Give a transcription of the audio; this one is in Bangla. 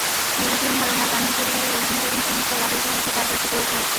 বিজেপির ধারণা, গান্ধী পরিবারের অভ্যন্তরীণ সমস্যা রাহুলকে হঠাৎ আগ্রাসী করে তুলেছে।